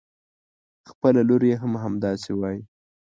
خپله لور يې هم همدا وايي.